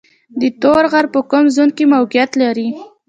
تور غر په کوم زون کې موقعیت لري؟